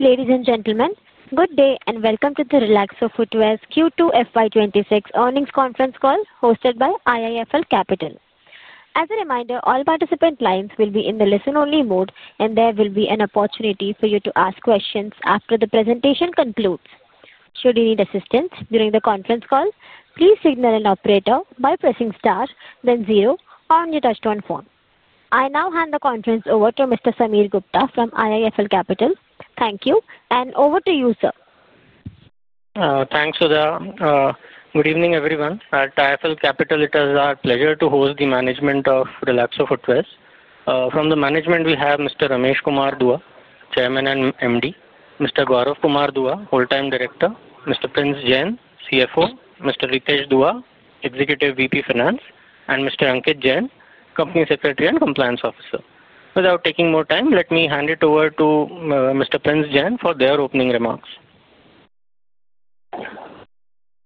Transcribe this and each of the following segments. Ladies and gentlemen, good day and welcome to the Relaxo Footwears Q2 FY2026 earnings conference call hosted by IIFL Capital. As a reminder, all participant lines will be in the listen-only mode, and there will be an opportunity for you to ask questions after the presentation concludes. Should you need assistance during the conference call, please signal an operator by pressing star, then zero, or on your touch-tone phone. I now hand the conference over to Mr. Sameer Gupta from IIFL Capital. Thank you, and over to you, sir. Thanks, Sudha. Good evening, everyone. At IIFL Capital, it is our pleasure to host the management of Relaxo Footwears. From the management, we have Mr. Ramesh Kumar Dua, Chairman and MD, Mr. Gaurav Kumar Dua, Whole Time Director, Mr. Prince Jain, CFO, Mr. Ritesh Dua, Executive VP Finance, and Mr. Ankit Jain, Company Secretary and Compliance Officer. Without taking more time, let me hand it over to Mr. Prince Jain for their opening remarks.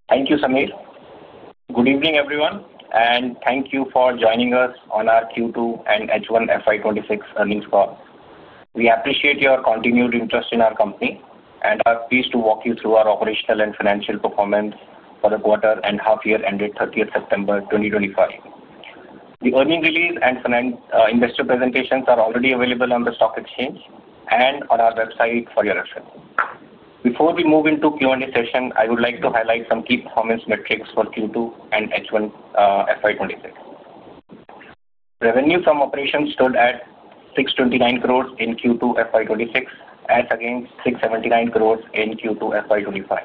Thank you, Sameer. Good evening, everyone, and thank you for joining us on our Q2 and H1 FY2026 earnings call. We appreciate your continued interest in our company, and are pleased to walk you through our operational and financial performance for the quarter and half-year ended 30th September 2025. The earnings release and investor presentations are already available on the stock exchange and on our website for your reference. Before we move into the Q&A session, I would like to highlight some key performance metrics for Q2 and H1 FY2026. Revenue from operations stood at 629 crore in Q2 FY2026, as against 679 crore in Q2 FY2025.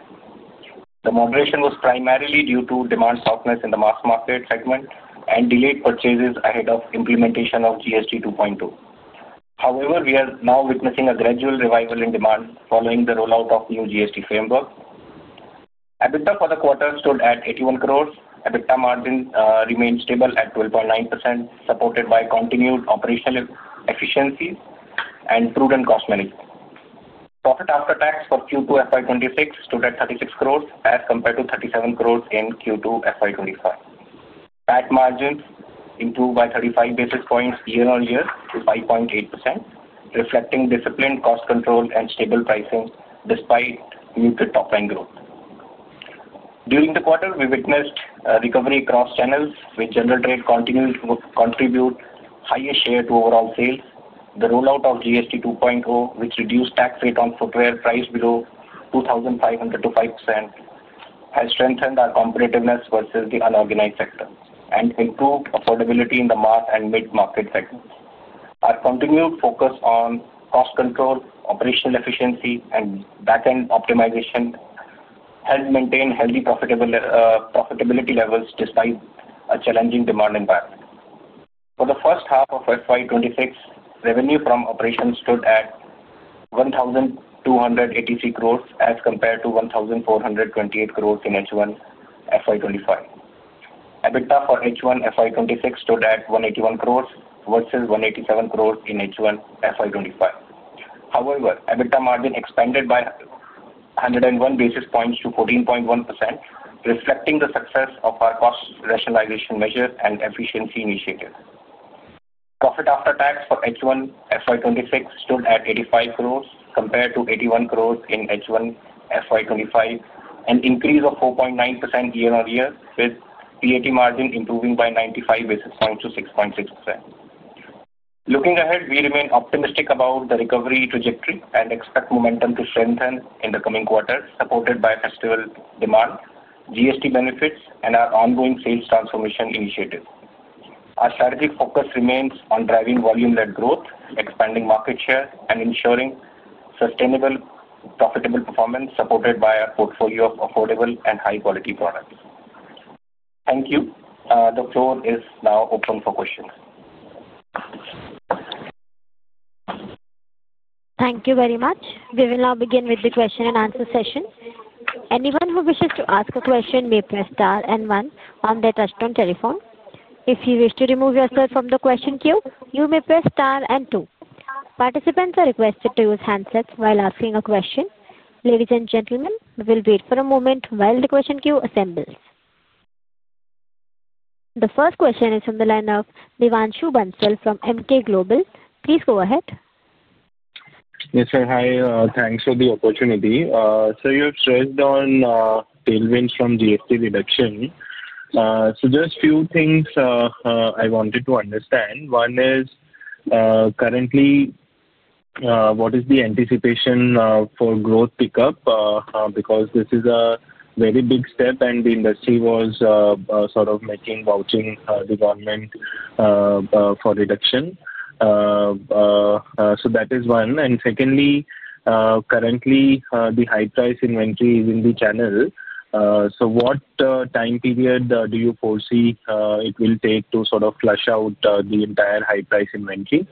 The moderation was primarily due to demand softness in the mass market segment and delayed purchases ahead of implementation of GST 2.2. However, we are now witnessing a gradual revival in demand following the rollout of the new GST framework. EBITDA for the quarter stood at 81 crore. EBITDA margin remained stable at 12.9%, supported by continued operational efficiencies and prudent cost management. Profit after tax for Q2 FY2026 stood at 36 crore, as compared to 37 crore in Q2 FY2025. PAT margins improved by 35 basis points year-on-year to 5.8%, reflecting disciplined, cost-controlled, and stable pricing despite muted top-line growth. During the quarter, we witnessed recovery across channels, with general trade continuing to contribute the highest share to overall sales. The rollout of GST 2.2, which reduced the tax rate on footwear priced below 2,500 to 5%, has strengthened our competitiveness versus the unorganized sector and improved affordability in the mass and mid-market segments. Our continued focus on cost control, operational efficiency, and back-end optimization helped maintain healthy profitability levels despite a challenging demand environment. For the first half of FY2026, revenue from operations stood at 1,283 crore, as compared to 1,428 crore in H1 FY2025. EBITDA for H1 FY2026 stood at 181 crore versus 187 crore in H1 FY2025. However, EBITDA margin expanded by 101 basis points to 14.1%, reflecting the success of our cost rationalization measure and efficiency initiative. Profit after tax for H1 FY2026 stood at 85 crore, compared to 81 crore in H1 FY2025, an increase of 4.9% year-on-year, with PAT margin improving by 95 basis points to 6.6%. Looking ahead, we remain optimistic about the recovery trajectory and expect momentum to strengthen in the coming quarter, supported by festival demand, GST benefits, and our ongoing sales transformation initiative. Our strategic focus remains on driving volume-led growth, expanding market share, and ensuring sustainable, profitable performance, supported by a portfolio of affordable and high-quality products. Thank you. The floor is now open for questions. Thank you very much. We will now begin with the question-and-answer session. Anyone who wishes to ask a question may press star and one on their touch-tone telephone. If you wish to remove yourself from the question queue, you may press star and two. Participants are requested to use handsets while asking a question. Ladies and gentlemen, we will wait for a moment while the question queue assembles. The first question is from the line of Devanshu Bansal from Emkay Global. Please go ahead. Yes, sir. Hi. Thanks for the opportunity. Sir, you have stressed on tailwinds from GST reduction. There are a few things I wanted to understand. One is, currently, what is the anticipation for growth pickup? Because this is a very big step, and the industry was sort of making vouching the government for reduction. That is one. Secondly, currently, the high-price inventory is in the channel. What time period do you foresee it will take to sort of flush out the entire high-price inventory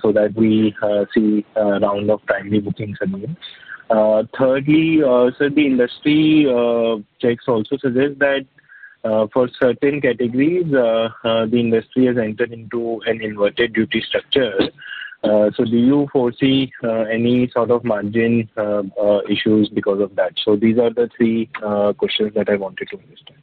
so that we see a round of timely bookings again? Thirdly, sir, the industry checks also suggest that for certain categories, the industry has entered into an inverted duty structure. Do you foresee any sort of margin issues because of that? These are the three questions that I wanted to understand.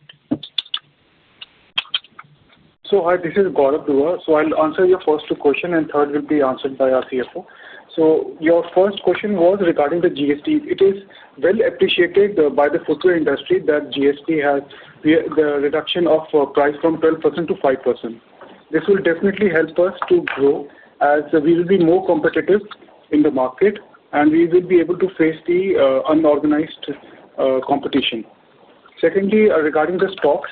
This is Gaurav Dua. I'll answer your first two questions, and the third will be answered by our CFO. Your first question was regarding the GST. It is well appreciated by the footwear industry that GST has reduction of price from 12% to 5%. This will definitely help us to grow as we will be more competitive in the market, and we will be able to face the unorganized competition. Secondly, regarding the stocks,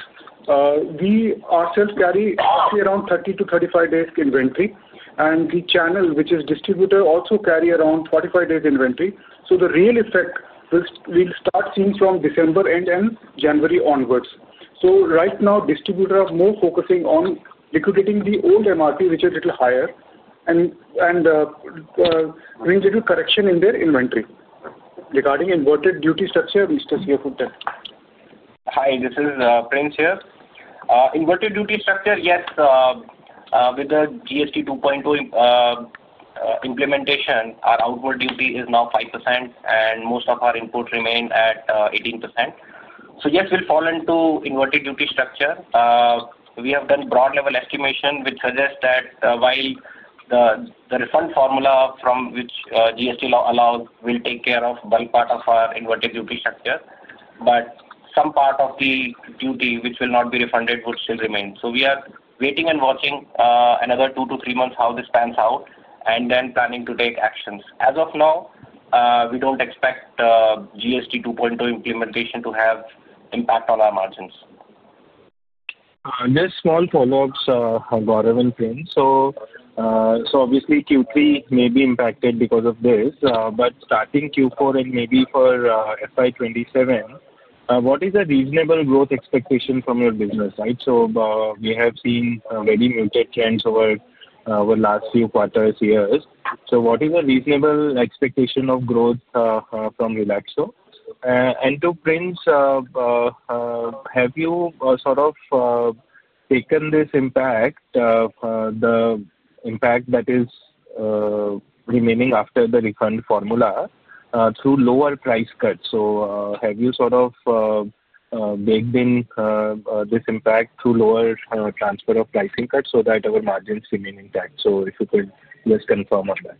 we ourselves carry roughly around 30-35 days inventory, and the channel, which is distributor, also carries around 45 days inventory. The real effect we'll start seeing from December end and January onwards. Right now, distributors are more focusing on liquidating the old MRP, which is a little higher, and doing a little correction in their inventory. Regarding inverted duty structure, Mr. CFO. Hi. This is Prince here. Inverted duty structure, yes. With the GST 2.2 implementation, our outward duty is now 5%, and most of our input remains at 18%. Yes, we'll fall into inverted duty structure. We have done broad-level estimation, which suggests that while the refund formula from which GST allows will take care of bulk part of our inverted duty structure, some part of the duty, which will not be refunded, would still remain. We are waiting and watching another two to three months how this pans out, and then planning to take actions. As of now, we don't expect GST 2.2 implementation to have impact on our margins. Just small follow-ups, Gaurav and Prince. Obviously, Q3 may be impacted because of this, but starting Q4 and maybe for FY 2027, what is a reasonable growth expectation from your business? Right? We have seen very muted trends over the last few quarters, years. What is a reasonable expectation of growth from Relaxo? To Prince, have you sort of taken this impact, the impact that is remaining after the refund formula, through lower price cuts? Have you sort of baked in this impact through lower transfer of pricing cuts so that our margins remain intact? If you could just confirm on that.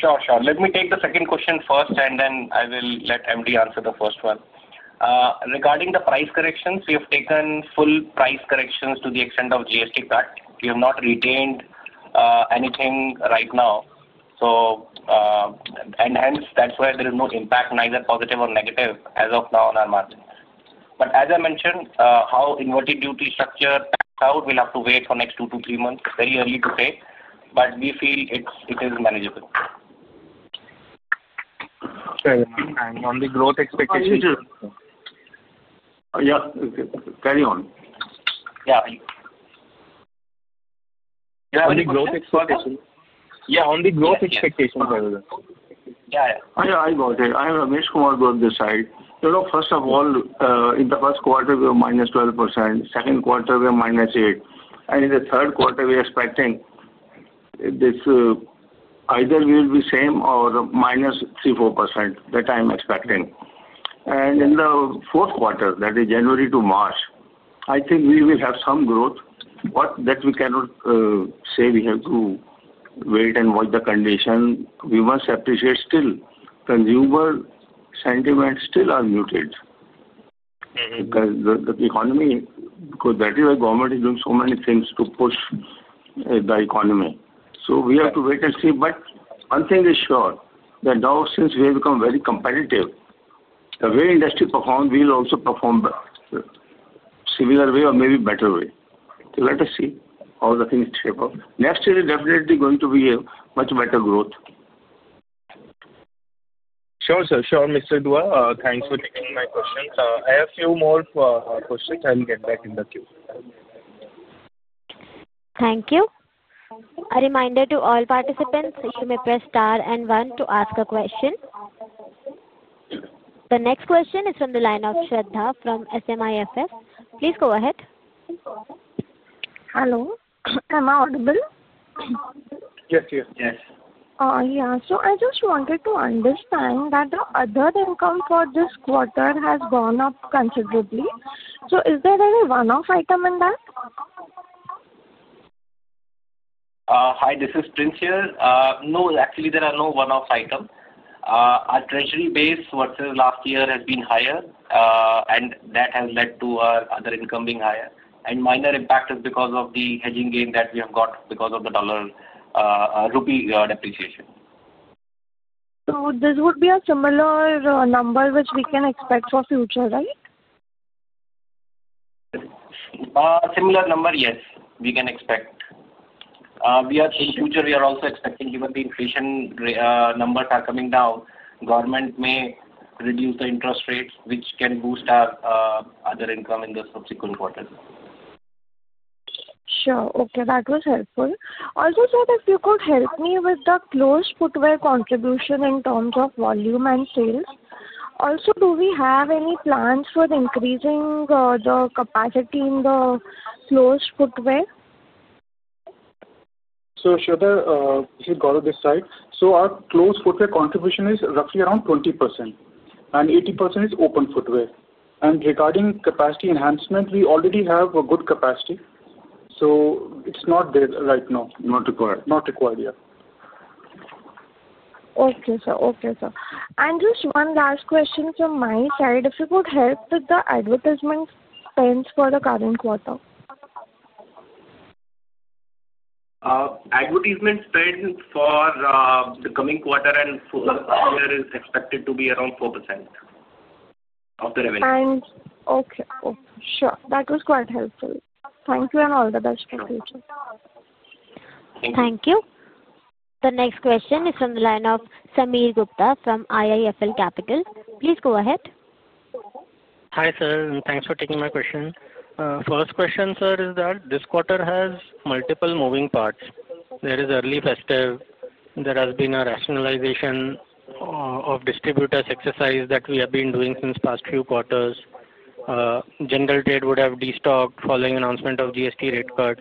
Sure, sure. Let me take the second question first, and then I will let MD answer the first one. Regarding the price corrections, we have taken full price corrections to the extent of GST cut. We have not retained anything right now. Hence, that is why there is no impact, neither positive nor negative, as of now on our margins. As I mentioned, how inverted duty structure pans out, we will have to wait for the next two to three months. Very early to say, but we feel it is manageable. Sir, on the growth expectations. Yeah. Carry on. Yeah. On the growth expectations. Yeah. On the growth expectations, sir. Yeah, yeah. Yeah, I got it. I'm Ramesh Kumar Dua, this side. First of all, in the first quarter, we were -12%. Second quarter, we were -8%. And in the third quarter, we are expecting this either we will be the same or minus 3-4%. That I'm expecting. In the fourth quarter, that is January to March, I think we will have some growth, but that we cannot say we have to wait and watch the condition. We must appreciate still consumer sentiments still are muted. Because the economy, because that is why the government is doing so many things to push the economy. We have to wait and see. One thing is sure, that now since we have become very competitive, the way the industry performs, we will also perform a similar way or maybe better way. Let us see how the things shape up. Next year is definitely going to be a much better growth. Sure, sir. Sure, Mr. Dua. Thanks for taking my questions. I have a few more questions. I'll get back in the queue. Thank you. A reminder to all participants, if you may press star and one to ask a question. The next question is from the line of Shraddha from SMIFS. Please go ahead. Hello. Am I audible? Yes, yes. Yes. Yeah. I just wanted to understand that the other income for this quarter has gone up considerably. Is there any one-off item in that? Hi. This is Prince here. No, actually, there are no one-off items. Our treasury base versus last year has been higher, and that has led to our other income being higher. The minor impact is because of the hedging gain that we have got because of the dollar rupee depreciation. This would be a similar number, which we can expect for the future, right? Similar number, yes, we can expect. In the future, we are also expecting given the inflation numbers are coming down, the government may reduce the interest rates, which can boost our other income in the subsequent quarters. Sure. Okay. That was helpful. Also, sir, if you could help me with the closed footwear contribution in terms of volume and sales. Also, do we have any plans for increasing the capacity in the closed footwear? Shraddha, this is Gaurav Dua, this side. Our closed footwear contribution is roughly around 20%, and 80% is open footwear. Regarding capacity enhancement, we already have a good capacity. It is not there right now. Not required. Not required, yeah. Okay, sir. Okay, sir. Just one last question from my side. If you could help with the advertisement spends for the current quarter. Advertisement spend for the coming quarter and for the first year is expected to be around 4% of the revenue. Okay. Sure. That was quite helpful. Thank you, and all the best for the future. Thank you. Thank you. The next question is from the line of Sameer Gupta from IIFL Capital. Please go ahead. Hi, sir. Thanks for taking my question. First question, sir, is that this quarter has multiple moving parts. There is early festive. There has been a rationalization of distributor's exercise that we have been doing since the past few quarters. General trade would have destocked following announcement of GST rate cuts.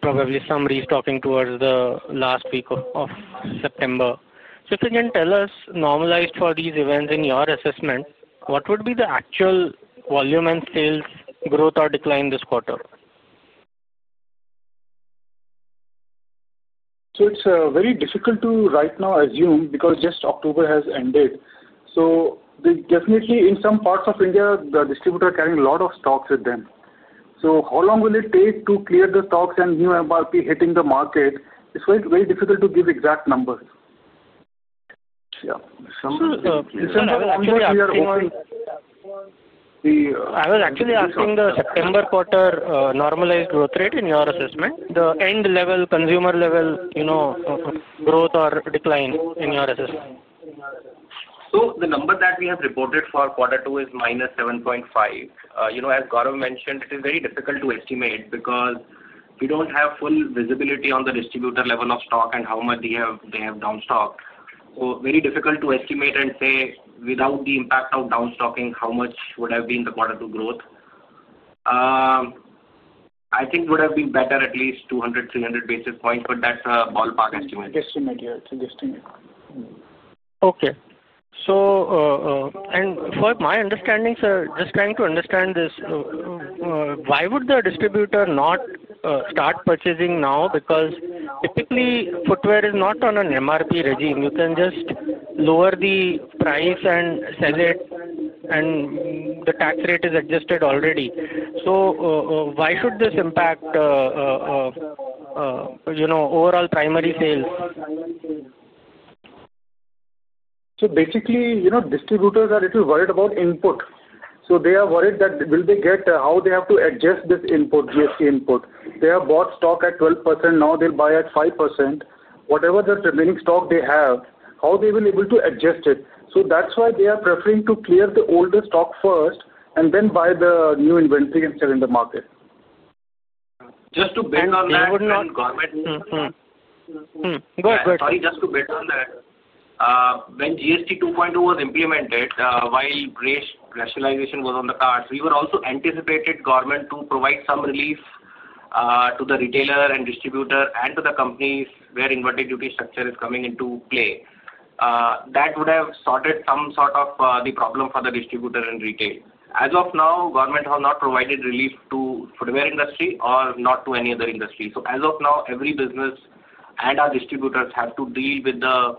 Probably some restocking towards the last week of September. If you can tell us, normalized for these events in your assessment, what would be the actual volume and sales growth or decline this quarter? It's very difficult to right now assume because just October has ended. Definitely, in some parts of India, the distributors are carrying a lot of stocks with them. How long will it take to clear the stocks and new MRP hitting the market? It's very difficult to give exact numbers. Yeah. We are hoping the. I was actually asking the September quarter normalized growth rate in your assessment. The end level, consumer level growth or decline in your assessment? The number that we have reported for quarter two is -7.5. As Gaurav mentioned, it is very difficult to estimate because we do not have full visibility on the distributor level of stock and how much they have downstocked. Very difficult to estimate and say without the impact of downstocking how much would have been the quarter two growth. I think it would have been better at least 200-300 basis points, but that is a ballpark estimate. Estimate, yeah. It's an estimate. Okay. For my understanding, sir, just trying to understand this, why would the distributor not start purchasing now? Typically, footwear is not on an MRP regime. You can just lower the price and sell it, and the tax rate is adjusted already. Why should this impact overall primary sales? Basically, distributors are a little worried about input. They are worried that will they get how they have to adjust this GST input. They have bought stock at 12%. Now they'll buy at 5%. Whatever the remaining stock they have, how they will be able to adjust it. That's why they are preferring to clear the older stock first and then buy the new inventory and sell in the market. Just to build on that, sir, sorry, just to build on that. When GST 2.2 was implemented while rationalization was on the cards, we were also anticipated government to provide some relief to the retailer and distributor and to the companies where inverted duty structure is coming into play. That would have sorted some sort of the problem for the distributor and retail. As of now, government has not provided relief to the footwear industry or not to any other industry. As of now, every business and our distributors have to deal with the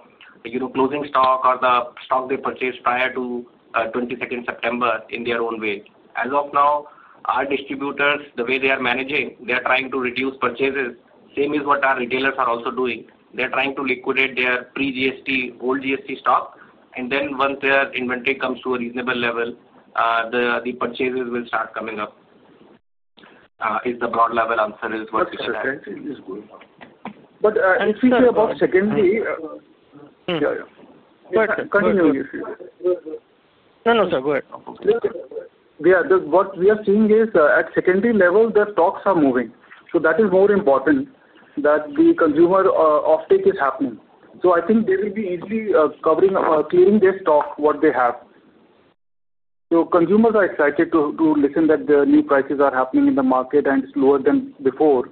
closing stock or the stock they purchased prior to 22nd September in their own way. As of now, our distributors, the way they are managing, they are trying to reduce purchases. Same is what our retailers are also doing. They are trying to liquidate their pre-GST, old GST stock, and then once their inventory comes to a reasonable level, the purchases will start coming up. That is the broad level answer is what we can tell. Secondary is good. If we say about secondary. Yeah, yeah. Continue, if you want. No, no, sir. Go ahead. Yeah. What we are seeing is at secondary level, the stocks are moving. That is more important that the consumer offtake is happening. I think they will be easily clearing their stock, what they have. Consumers are excited to listen that the new prices are happening in the market and it's lower than before.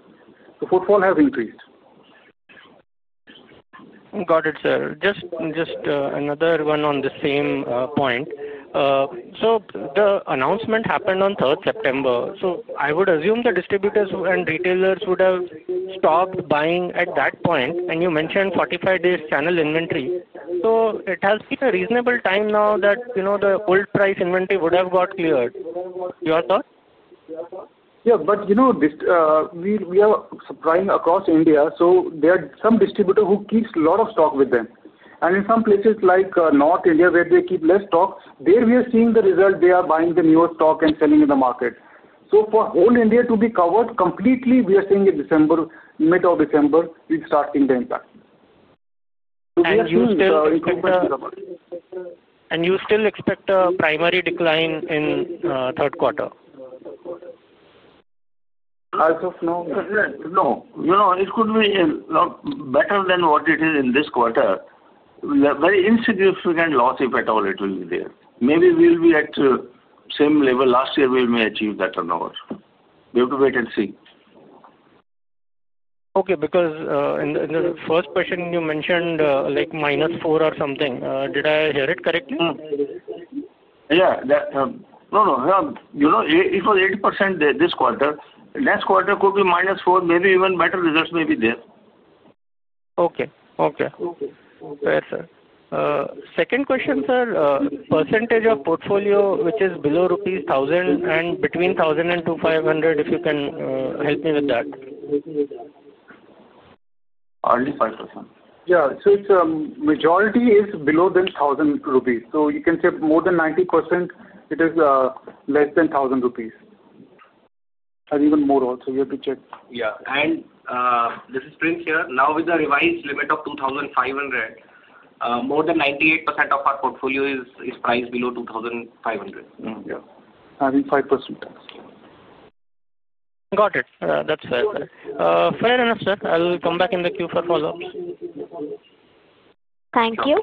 Footfall has increased. Got it, sir. Just another one on the same point. The announcement happened on 3rd September. I would assume the distributors and retailers would have stopped buying at that point. You mentioned 45 days channel inventory. It has been a reasonable time now that the old price inventory would have got cleared. Your thought? Yeah. We are supplying across India. There are some distributors who keep a lot of stock with them. In some places like North India, where they keep less stock, we are seeing the result. They are buying the newer stock and selling in the market. For all India to be covered completely, we are seeing in December, mid of December, it is starting to impact. You still expect a primary decline in third quarter? As of now, no. It could be better than what it is in this quarter. Very insignificant loss, if at all, it will be there. Maybe we'll be at the same level last year, we may achieve that or not. We have to wait and see. Okay. Because in the first question, you mentioned -4 or something. Did I hear it correctly? Yeah. No, no. It was 8% this quarter. Next quarter could be -4%. Maybe even better results may be there. Okay. Okay. Fair, sir. Second question, sir, percentage of portfolio which is below rupees 1,000 and between 1,000 and 2,500, if you can help me with that. Only 5%. Yeah. It is majority below 1,000 rupees. You can say more than 90% is less than 1,000 rupees. Even more also. We have to check. Yeah. This is Prince here. Now, with the revised limit of 2,500, more than 98% of our portfolio is priced below 2,500. Yeah. I think 5%. Got it. That's fair. Fair enough, sir. I'll come back in the queue for follow-ups. Thank you.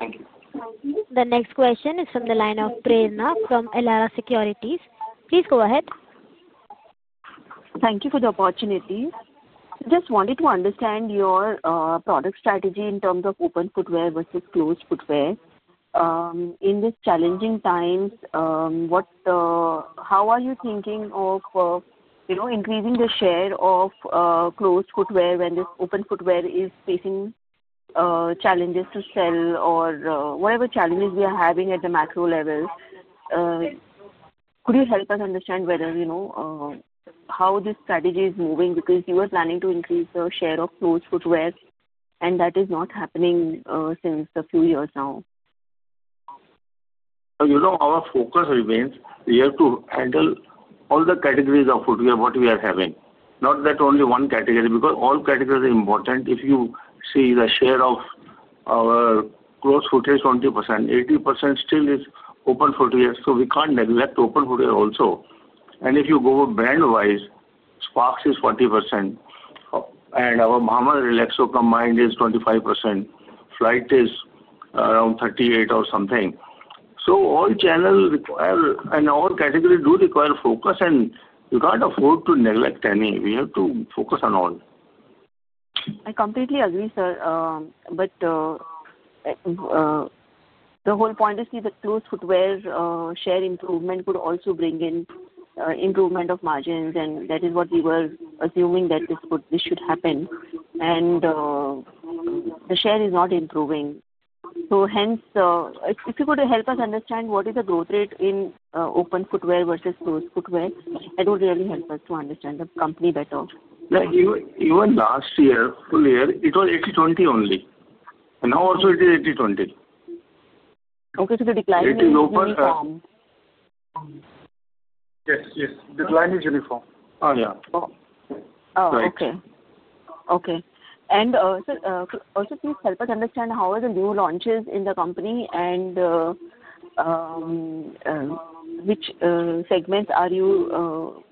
The next question is from the line of Prerna from Elara Securities. Please go ahead. Thank you for the opportunity. Just wanted to understand your product strategy in terms of open footwear versus closed footwear. In these challenging times, how are you thinking of increasing the share of closed footwear when this open footwear is facing challenges to sell or whatever challenges we are having at the macro level? Could you help us understand how this strategy is moving? Because you were planning to increase the share of closed footwear, and that is not happening since a few years now. Our focus remains. We have to handle all the categories of footwear what we are having. Not that only one category. Because all categories are important. If you see the share of our closed footwear is 20%. 80% still is open footwear. We can't neglect open footwear also. If you go brand-wise, Sparx is 40%. Our main Relaxo combined is 25%. Flite is around 38 or something. All channels require, and all categories do require focus. We can't afford to neglect any. We have to focus on all. I completely agree, sir. The whole point is that the closed footwear share improvement could also bring in improvement of margins. That is what we were assuming that this should happen. The share is not improving. If you could help us understand what is the growth rate in open footwear versus closed footwear, that would really help us to understand the company better. Even last year, full year, it was 80/20 only. Now also it is 80/20. Okay. So the decline is uniform? Yes, yes. Decline is uniform. Oh, yeah. Right. Okay. Okay. Sir, also please help us understand how are the new launches in the company and which segments are you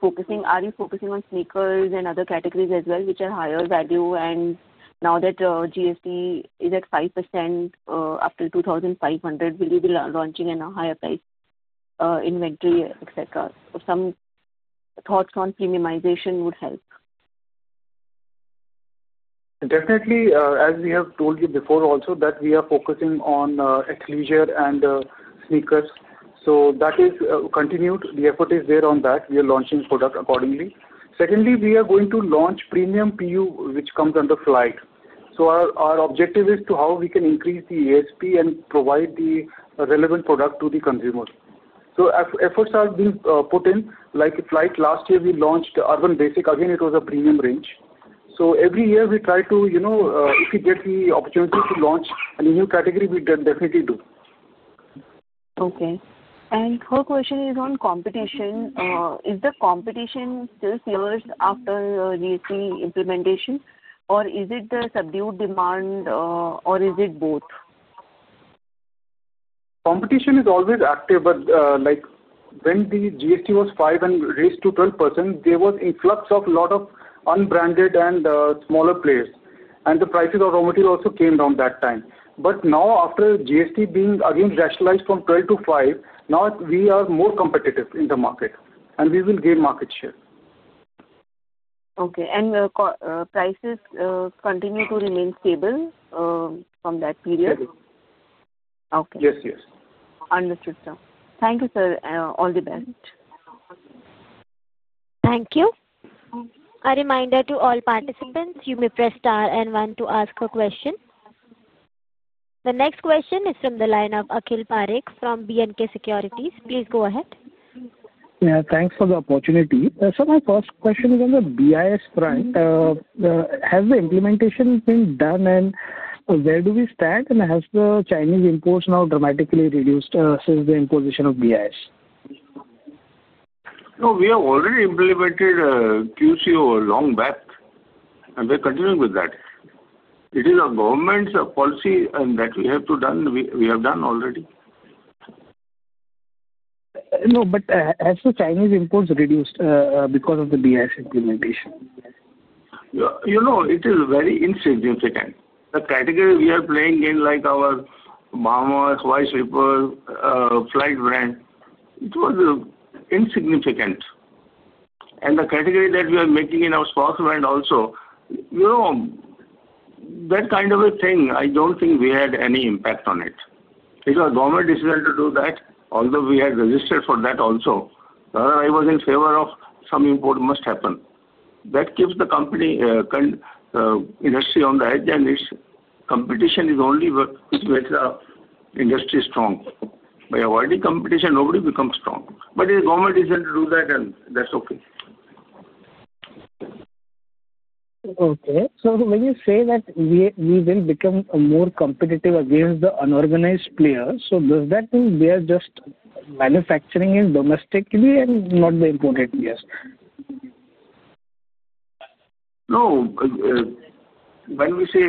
focusing? Are you focusing on sneakers and other categories as well, which are higher value? Now that GST is at 5% up to 2,500, will you be launching in a higher price inventory, etc.? Some thoughts on premiumization would help. Definitely. As we have told you before also that we are focusing on athleisure and sneakers. That is continued. The effort is there on that. We are launching product accordingly. Secondly, we are going to launch premium PU, which comes under Flite. Our objective is how we can increase the ASP and provide the relevant product to the consumer. Efforts are being put in. Like Flite, last year we launched Urban Basic. Again, it was a premium range. Every year we try to, if we get the opportunity to launch a new category, we definitely do. Okay. Her question is on competition. Is the competition still fierce after GST implementation, or is it the subdued demand, or is it both? Competition is always active. When the GST was 5% and raised to 12%, there was influx of a lot of unbranded and smaller players. The prices of raw material also came down that time. Now, after GST being again rationalized from 12% to 5%, we are more competitive in the market. We will gain market share. Okay. Prices continue to remain stable from that period? Yes, yes. Okay. Yes, yes. Understood, sir. Thank you, sir. All the best. Thank you. A reminder to all participants, you may press star and one to ask a question. The next question is from the line of Akhil Parekh from B&K Securities. Please go ahead. Yeah. Thanks for the opportunity. My first question is on the BIS front. Has the implementation been done, and where do we stand? Has the Chinese imports now dramatically reduced since the imposition of BIS? No, we have already implemented QCO a long back. We are continuing with that. It is a government policy that we have to do. We have done already. No, but has the Chinese imports reduced because of the BIS implementation? It is very insignificant. The category we are playing in, like our main Relaxo, Flite brand, it was insignificant. And the category that we are making in our Sparx brand also, that kind of a thing, I do not think we had any impact on it. It was a government decision to do that, although we had registered for that also. Rather, I was in favor of some import must happen. That gives the company industry on the edge, and its competition is only which makes the industry strong. By avoiding competition, nobody becomes strong. If the government decides to do that, then that is okay. Okay. So when you say that we will become more competitive against the unorganized players, does that mean we are just manufacturing it domestically and not the imported players? No. When we say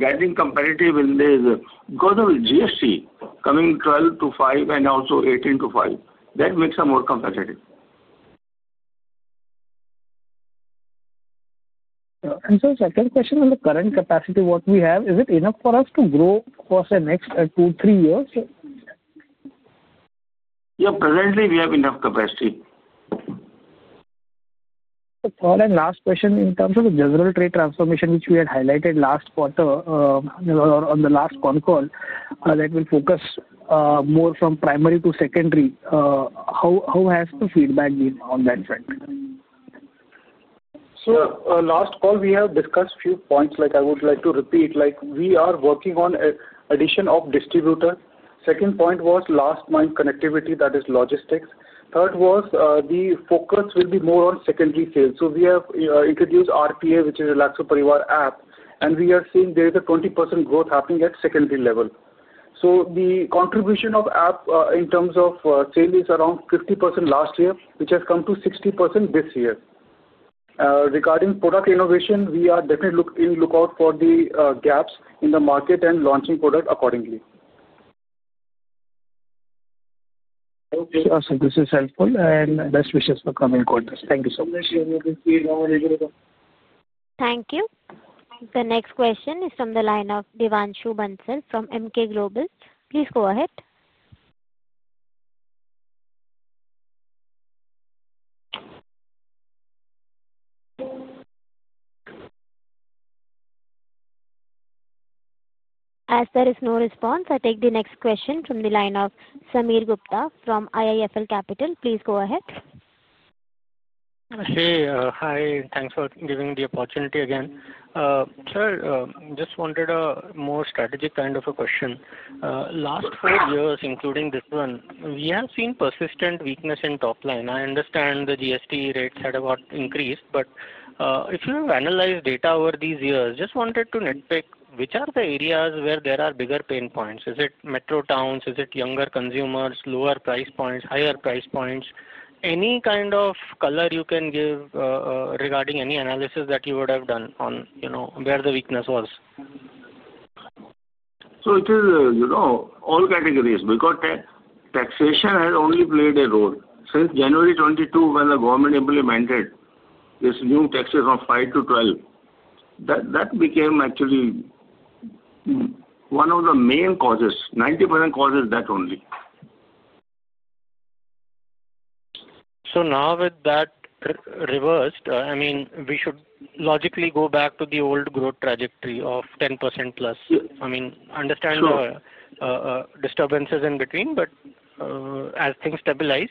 getting competitive in this, because of GST coming 12% to 5% and also 18% to 5%, that makes us more competitive. Sir, second question on the current capacity, what we have, is it enough for us to grow for the next two, three years? Yeah. Presently, we have enough capacity. The third and last question in terms of the general trade transformation, which we had highlighted last quarter on the last phone call that will focus more from primary to secondary, how has the feedback been on that front? Sir, last call, we have discussed a few points. I would like to repeat. We are working on addition of distributors. Second point was last month's connectivity, that is logistics. Third was the focus will be more on secondary sales. We have introduced RPA, which is Relaxo Parivar app, and we are seeing there is a 20% growth happening at secondary level. The contribution of app in terms of sale is around 50% last year, which has come to 60% this year. Regarding product innovation, we are definitely in lookout for the gaps in the market and launching product accordingly. Okay. So this is helpful and best wishes for coming quarters. Thank you so much. Thank you. The next question is from the line of Devanshu Bansal from Emkay Global. Please go ahead. As there is no response, I take the next question from the line of Sameer Gupta from IIFL Capital. Please go ahead. Hey. Hi. Thanks for giving the opportunity again. Sir, just wanted a more strategic kind of a question. Last four years, including this one, we have seen persistent weakness in top line. I understand the GST rates had a lot increased. If you have analyzed data over these years, just wanted to nitpick which are the areas where there are bigger pain points. Is it metro towns? Is it younger consumers, lower price points, higher price points? Any kind of color you can give regarding any analysis that you would have done on where the weakness was? It is all categories. Taxation has only played a role. Since January 2022, when the government implemented this new tax from 5% to 12%, that became actually one of the main causes. 90% causes that only. Now with that reversed, I mean, we should logically go back to the old growth trajectory of 10%+. I mean, understand the disturbances in between. As things stabilize,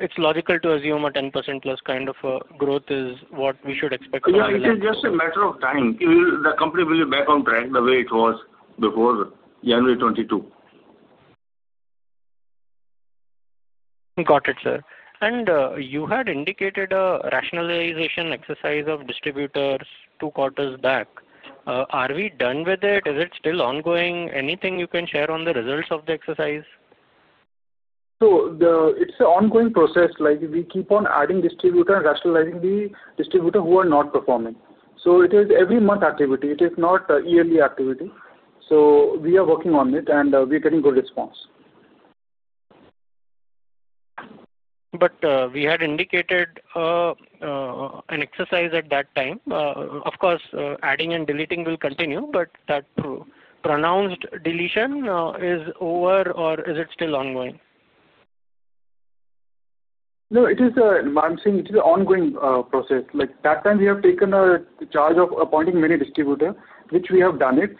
it's logical to assume a 10%+ kind of growth is what we should expect for higher growth. Yeah. It is just a matter of time. The company will be back on track the way it was before January 2022. Got it, sir. You had indicated a rationalization exercise of distributors two quarters back. Are we done with it? Is it still ongoing? Anything you can share on the results of the exercise? It is an ongoing process. We keep on adding distributor and rationalizing the distributor who are not performing. It is every month activity. It is not yearly activity. We are working on it, and we are getting good response. We had indicated an exercise at that time. Of course, adding and deleting will continue. That pronounced deletion is over, or is it still ongoing? No, it is a—I'm saying it is an ongoing process. That time, we have taken charge of appointing many distributors, which we have done it.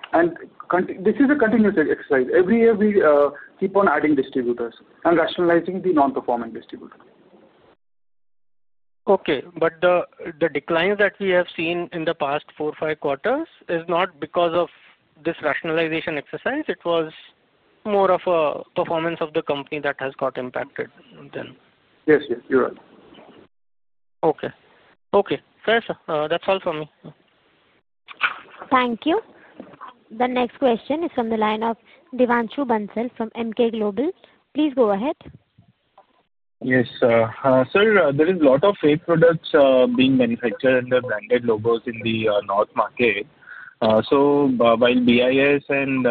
This is a continuous exercise. Every year, we keep on adding distributors and rationalizing the non-performing distributor. Okay. The decline that we have seen in the past four, five quarters is not because of this rationalization exercise. It was more of a performance of the company that has got impacted then. Yes, yes. You're right. Okay. Okay. Fair. That's all from me. Thank you. The next question is from the line of Devanshu Bansal from Emkay Global. Please go ahead. Yes. Sir, there is a lot of fake products being manufactured under branded logos in the North market. So while BIS and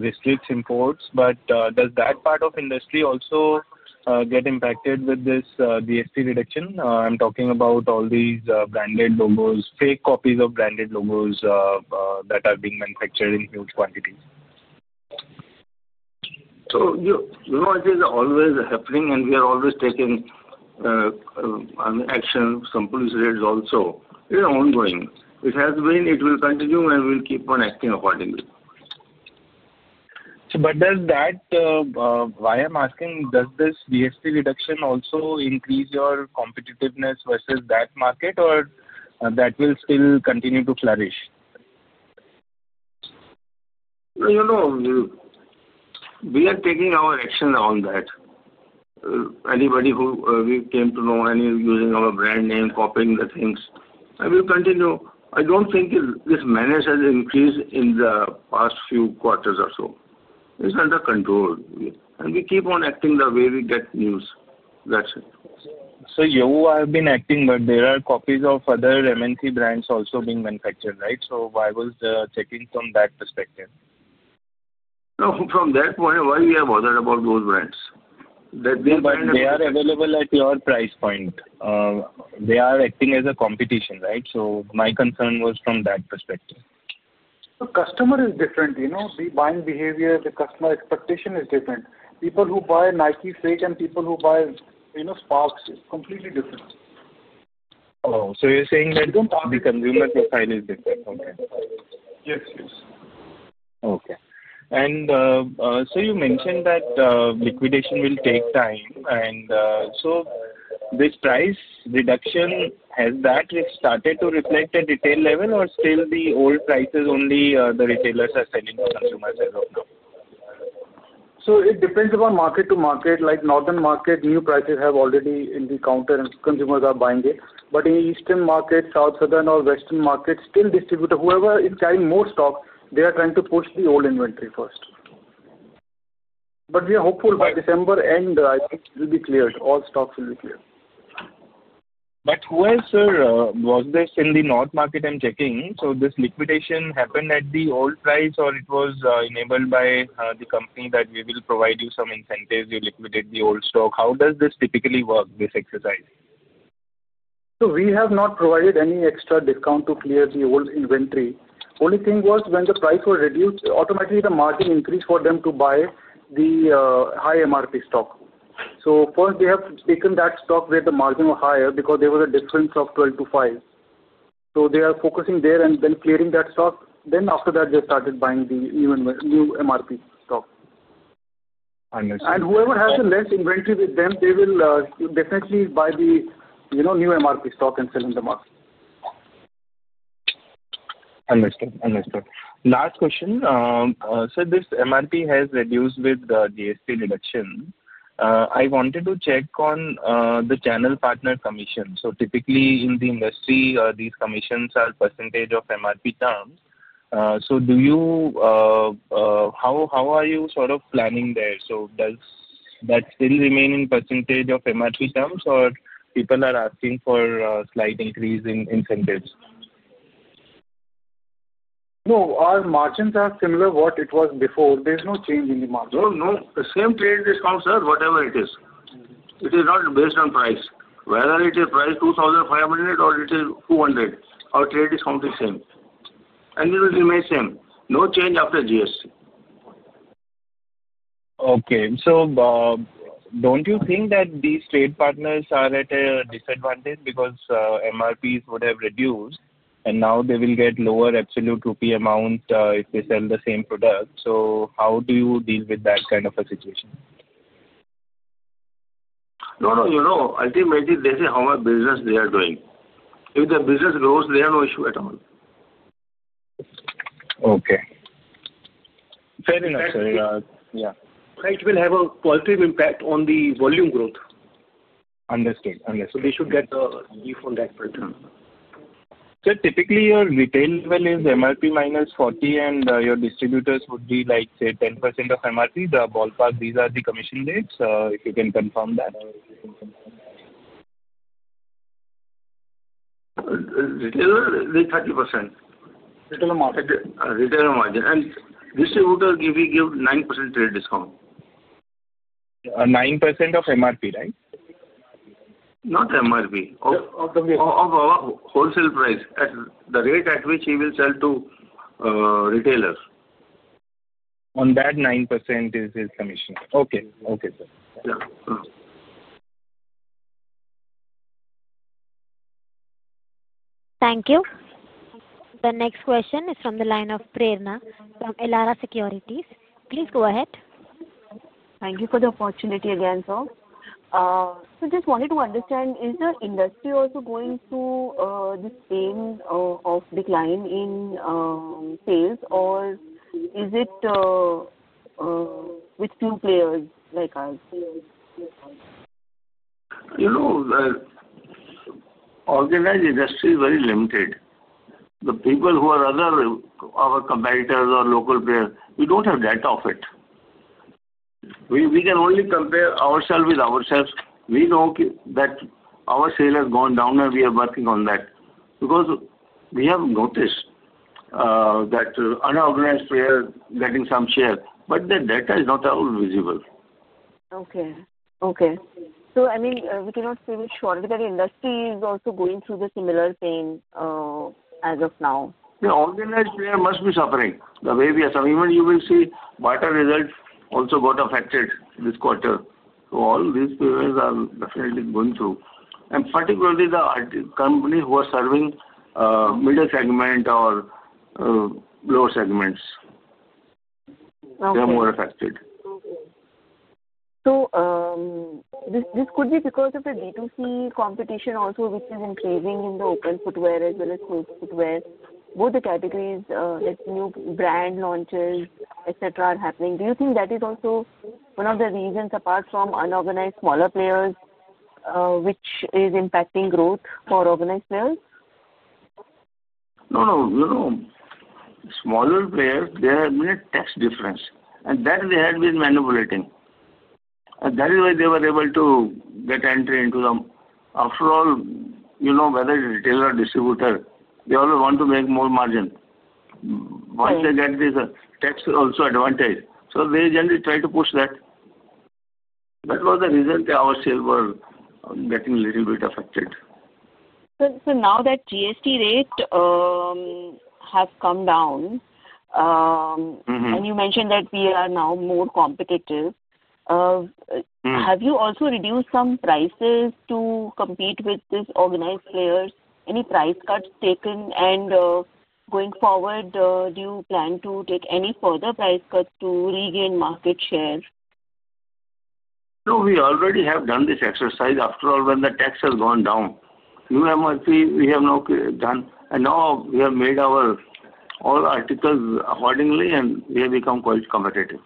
Ritesh imports, but does that part of industry also get impacted with this GST reduction? I'm talking about all these branded logos, fake copies of branded logos that are being manufactured in huge quantities. It is always happening, and we are always taking action. Some police raids also. It is ongoing. It has been. It will continue, and we'll keep on acting accordingly. Does that—why I'm asking, does this GST reduction also increase your competitiveness versus that market, or that will still continue to flourish? No. We are taking our actions on that. Anybody who we came to know is using our brand name, copying the things, we will continue. I do not think this menace has increased in the past few quarters or so. It is under control. We keep on acting the way we get news. That is it. You have been acting, but there are copies of other MNC brands also being manufactured, right? Why was the checking from that perspective? No. From that point, why are we bothered about those brands? They are available at your price point. They are acting as a competition, right? My concern was from that perspective. The customer is different. The buying behavior, the customer expectation is different. People who buy Nike fake and people who buy Sparx is completely different. Oh. So you're saying that the consumer profile is different? Okay. Yes, yes. Okay. You mentioned that liquidation will take time. This price reduction, has that started to reflect at retail level, or still the old prices only the retailers are selling to consumers as of now? It depends upon market to market. Like northern market, new prices have already in the counter, and consumers are buying it. In eastern market, south, southern, or western market, still distributor, whoever is carrying more stock, they are trying to push the old inventory first. We are hopeful by December end, I think it will be cleared. All stocks will be cleared. Who else, sir, was this in the North market, I'm checking? This liquidation happened at the old price, or it was enabled by the company that we will provide you some incentives, you liquidate the old stock. How does this typically work, this exercise? We have not provided any extra discount to clear the old inventory. Only thing was when the price was reduced, automatically the margin increased for them to buy the high MRP stock. First, they have taken that stock where the margin was higher because there was a difference of 12% to 5%. They are focusing there and then clearing that stock. After that, they started buying the new MRP stock. Understood. Whoever has the less inventory with them, they will definitely buy the new MRP stock and sell in the market. Understood. Understood. Last question. This MRP has reduced with the GST reduction. I wanted to check on the channel partner commission. Typically in the industry, these commissions are percentage of MRP terms. How are you sort of planning there? Does that still remain in percentage of MRP terms, or people are asking for a slight increase in incentives? No. Our margins are similar to what it was before. There is no change in the margin. No, no. The same trade discount, sir, whatever it is. It is not based on price. Whether it is price 2,500 or it is 200, our trade discount is same. It will remain same. No change after GST. Okay. So don't you think that these trade partners are at a disadvantage because MRPs would have reduced, and now they will get lower absolute rupee amount if they sell the same product? How do you deal with that kind of a situation? No, no. You know, ultimately, they say how much business they are doing. If the business grows, they have no issue at all. Okay. Fair enough, sir. Yeah. It will have a positive impact on the volume growth. Understood. Understood. They should get a beef on that front. Sir, typically your retail level is MRP -40%, and your distributors would be like, say, 10% of MRP. The ballpark, these are the commission rates. If you can confirm that. Retailer, they 30%. Retailer margin. Retailer margin. Distributor, we give 9% trade discount. 9% of MRP, right? Not MRP. Of wholesale price, the rate at which he will sell to retailers. On that 9% is his commission. Okay. Okay, sir. Thank you. The next question is from the line of Prerna from Elara Securities. Please go ahead. Thank you for the opportunity again, sir. Just wanted to understand, is the industry also going through the same decline in sales, or is it with few players like us? You know, organized industry is very limited. The people who are other of our competitors or local players, we do not have data of it. We can only compare ourselves with ourselves. We know that our sale has gone down, and we are working on that because we have noticed that unorganized players are getting some share. The data is not always visible. Okay. Okay. So, I mean, we cannot say with sure whether the industry is also going through the similar thing as of now. The organized player must be suffering the way we are suffering. Even you will see what our results also got affected this quarter. All these players are definitely going through. Particularly the company who are serving middle segment or lower segments, they are more affected. Okay. So this could be because of the B2C competition also, which is increasing in the open footwear as well as closed footwear. Both the categories, like new brand launches, etc., are happening. Do you think that is also one of the reasons, apart from unorganized smaller players, which is impacting growth for organized players? No, no. You know, smaller players, they have made a tax difference. And that they had been manipulating. That is why they were able to get entry into them. After all, whether it's retailer or distributor, they always want to make more margin. Once they get this tax also advantage, so they generally try to push that. That was the reason our sales were getting a little bit affected. Now that GST rate has come down, and you mentioned that we are now more competitive, have you also reduced some prices to compete with these organized players? Any price cuts taken? Going forward, do you plan to take any further price cuts to regain market share? No, we already have done this exercise. After all, when the tax has gone down, new MRP, we have now done. Now we have made all our articles accordingly, and we have become quite competitive.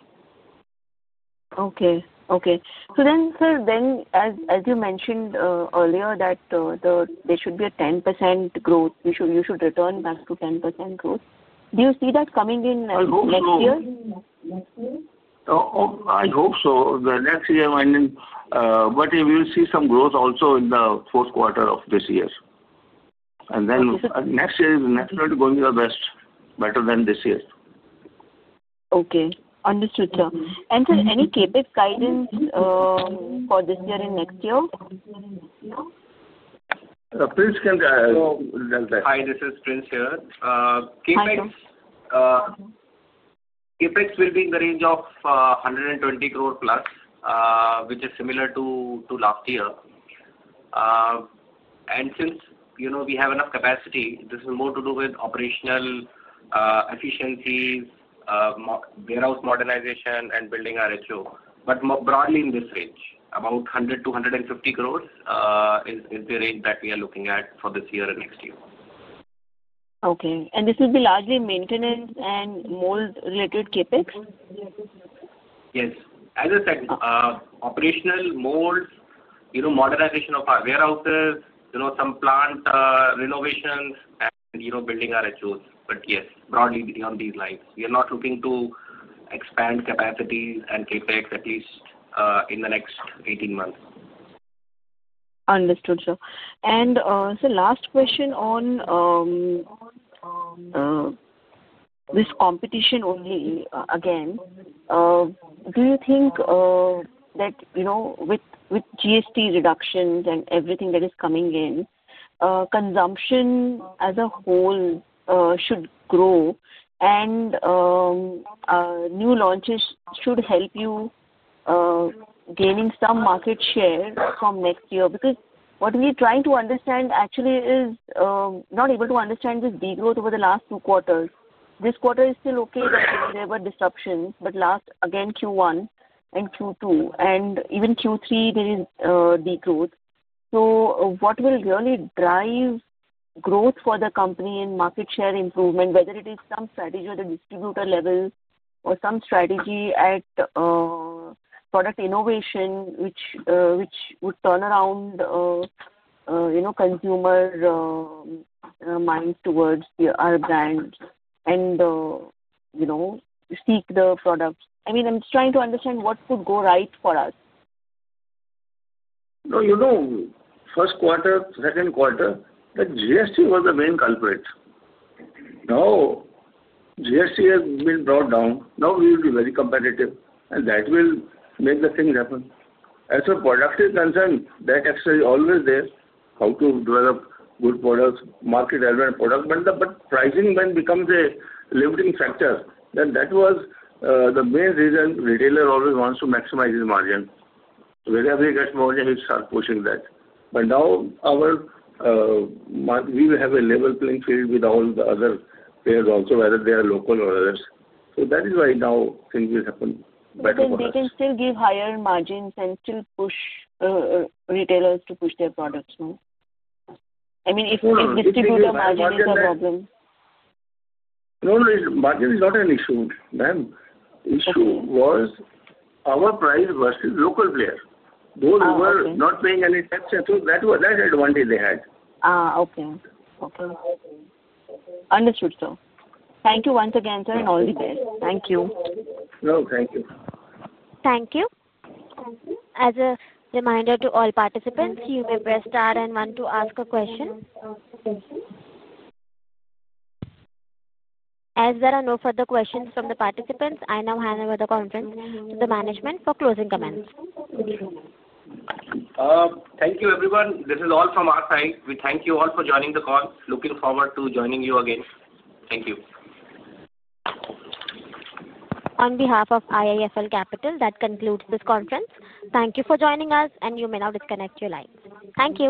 Okay. Okay. So then, sir, then as you mentioned earlier that there should be a 10% growth, you should return back to 10% growth, do you see that coming in next year? I hope so. Next year? I hope so. Next year, I mean, but we will see some growth also in the fourth quarter of this year. Next year is naturally going to be the best, better than this year. Okay. Understood, sir. Sir, any CapEx guidance for this year and next year? Prince can tell that. Hi, this is Prince here. CapEx will be in the range of 120 crore plus, which is similar to last year. Since we have enough capacity, this is more to do with operational efficiencies, warehouse modernization, and building RHO. Broadly in this range, about 100-150 crore is the range that we are looking at for this year and next year. Okay. This will be largely maintenance and mold-related CapEx? Yes. As I said, operational, mold, modernization of our warehouses, some plant renovations, and building RHOs. Yes, broadly beyond these lines. We are not looking to expand capacities and CapEx at least in the next 18 months. Understood, sir. And sir, last question on this competition only again. Do you think that with GST reductions and everything that is coming in, consumption as a whole should grow, and new launches should help you gaining some market share from next year? Because what we are trying to understand actually is not able to understand this degrowth over the last two quarters. This quarter is still okay that there were disruptions, but last, again, Q1 and Q2, and even Q3, there is degrowth. So what will really drive growth for the company and market share improvement, whether it is some strategy at the distributor level or some strategy at product innovation, which would turn around consumer minds towards our brand and seek the products? I mean, I'm just trying to understand what could go right for us. No, you know, first quarter, second quarter, that GST was the main culprit. Now GST has been brought down. Now we will be very competitive, and that will make the thing happen. As a productive concern, that actually is always there, how to develop good products, market-relevant products. But pricing then becomes a limiting factor. That was the main reason retailer always wants to maximize his margin. So wherever he gets more margin, he starts pushing that. Now we will have a level playing field with all the other players also, whether they are local or others. That is why now things will happen better for us. They can still give higher margins and still push retailers to push their products more? I mean, if distributor margin is a problem. No, no. Margin is not an issue. The issue was our price versus local players. Those who were not paying any tax. So that advantage they had. Okay. Okay. Understood, sir. Thank you once again, sir, and all the best. Thank you. No, thank you. Thank you. Thank you. As a reminder to all participants, you may press star and one to ask a question. As there are no further questions from the participants, I now hand over the conference to the management for closing comments. Thank you, everyone. This is all from our side. We thank you all for joining the call. Looking forward to joining you again. Thank you. On behalf of IIFL Capital, that concludes this conference. Thank you for joining us, and you may now disconnect your lines. Thank you.